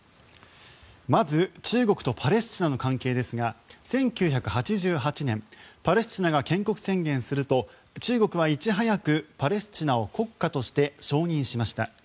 まず中国とパレスチナの関係ですが１９８８年パレスチナが建国宣言すると中国はいち早くパレスチナを国家として承認しました。